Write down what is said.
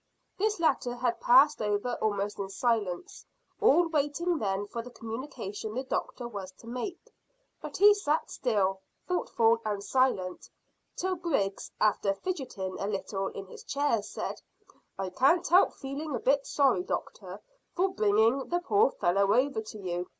This latter had passed over almost in silence, all waiting then for the communication the doctor was to make; but he sat still, thoughtful and silent, till Griggs, after fidgeting a little in his chair, said "I can't help feeling a bit sorry, doctor, for bringing the poor fellow over to you.